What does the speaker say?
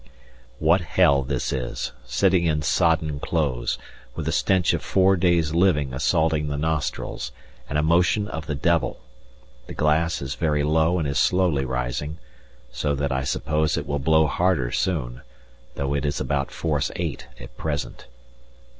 What hell this is, sitting in sodden clothes, with the stench of four days' living assaulting the nostrils, and a motion of the devil; the glass is very low and is slowly rising, so that I suppose it will blow harder soon, though it is about force eight at present.